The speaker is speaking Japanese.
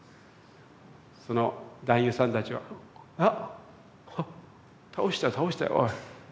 その男優さんたちは「あっ倒した倒したよおい。